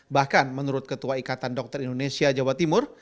bahkan menurut ketua ikatan dokter indonesia jawa timur